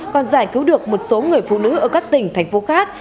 còn giải cứu được một số người phụ nữ ở các tỉnh thành phố khác